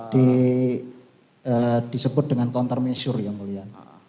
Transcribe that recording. disebut dengan counter measure yang mulia